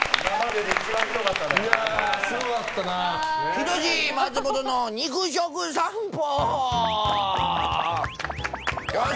人志松本の肉食さんぽ！